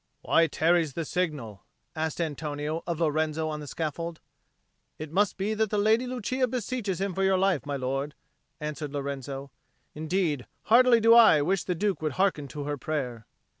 "Why tarries the signal?" asked Antonio of Lorenzo on the scaffold. "It must be that the Lady Lucia beseeches him for your life, my lord," answered Lorenzo. "Indeed heartily do I wish the Duke would hearken to her prayer."